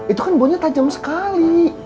itu kan bunya tajam sekali